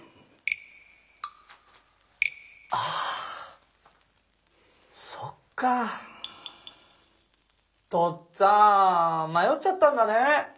あそっか。とっつぁん迷っちゃったんだね？